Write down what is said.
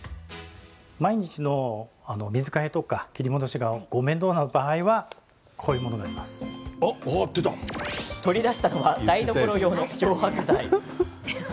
毎日の水替えとか切り戻しが、ご面倒な場合は取り出したのは台所用の漂白剤。